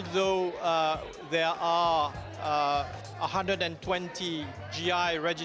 meskipun ada satu ratus dua puluh registrasi gi